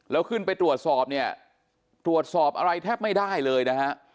แล้วขึ้นไปตรวจสอบเนี่ยตรวจสอบอะไรแทบไม่ได้เลยนะฮะ